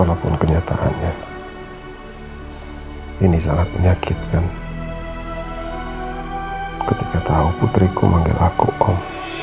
walaupun kenyataannya ini sangat menyakitkan ketika tahu putriku manggil aku om